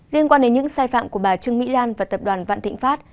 liên quan đến những sai phạm của bà trương mỹ lan và tập đoàn vạn thịnh pháp